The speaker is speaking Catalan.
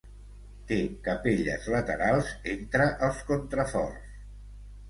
Té capelles laterals entre els contraforts.